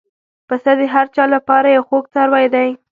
پسه د هر چا له پاره یو خوږ څاروی دی.